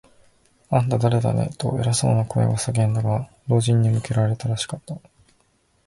「あんた、だれだね？」と、偉そうな声が叫んだが、老人に向けられたらしかった。